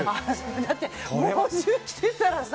だって猛獣来てたらさ